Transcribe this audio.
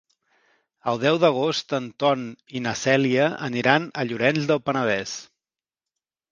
El deu d'agost en Ton i na Cèlia aniran a Llorenç del Penedès.